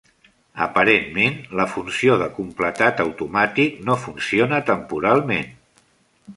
Aparentment, la funció de completat automàtic no funciona temporalment.